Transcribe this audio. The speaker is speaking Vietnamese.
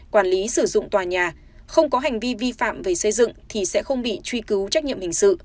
quản lý sử dụng tòa nhà không có hành vi vi phạm về xây dựng thì sẽ không bị truy cứu trách nhiệm hình sự